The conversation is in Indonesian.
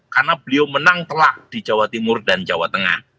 karena beliau menang telak di jawa timur dan jawa tengah